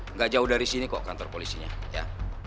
nggak jauh dari sini kok kantor polisinya ya